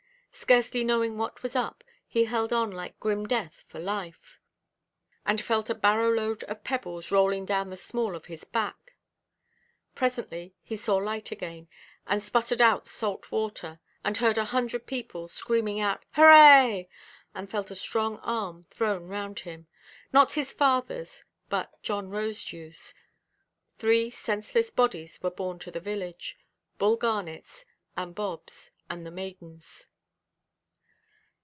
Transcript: Scarcely knowing what was up, he held on like grim death for life, and felt a barrowload of pebbles rolling down the small of his back. Presently he saw light again, and sputtered out salt water, and heard a hundred people screaming out "Hurrah!" and felt a strong arm thrown round him—not his fatherʼs, but John Rosedewʼs. Three senseless bodies were borne to the village—Bull Garnetʼs, and Bobʼs and the maidenʼs.